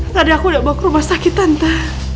tadi aku udah bawa ke rumah sakit tante